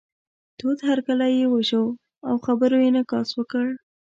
تود هرکلی یې وشو او خبرو یې انعکاس وکړ.